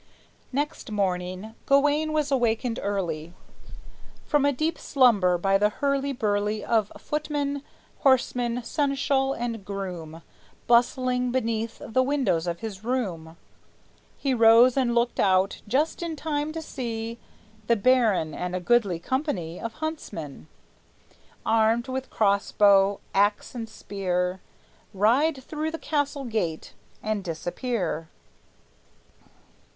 Next morning Gawayne was awakened early From a deep slumber by the hurly burly Of footman, horseman, seneschal, and groom, Bustling beneath the windows of his room. He rose and looked out, just in time to see The baron and a goodly company Of huntsmen, armed with cross bow, axe, and spear, Ride through the castle gate and disappear.